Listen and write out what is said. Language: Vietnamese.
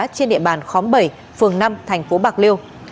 trên địa bàn khóm bảy phường năm thành phố bạc liêu